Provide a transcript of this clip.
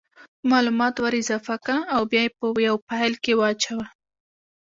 مالومات ور اضافه که او بیا یې په یو فایل کې واچوه